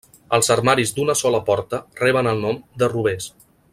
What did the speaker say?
Els armaris d'una sola porta reben el nom de robers.